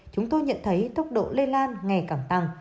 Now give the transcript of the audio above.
chúng tôi nhận thấy tốc độ lây lan ngày càng tăng